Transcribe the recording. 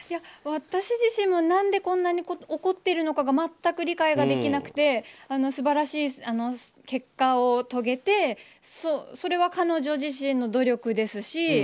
私自身も何でこんなに怒っているのかが全く理解ができなくて素晴らしい結果を遂げてそれは彼女自身の努力ですし。